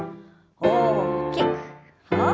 大きく大きく。